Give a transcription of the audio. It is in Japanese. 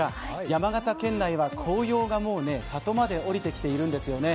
山形県内は紅葉がもう里まで下りてきているんですよね。